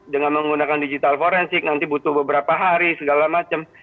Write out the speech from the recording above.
dengan menggunakan digital forensik nanti butuh beberapa hari segala macam